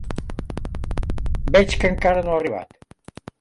Veig que encara no ha arribat.